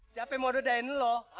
siapa yang mau dodain loh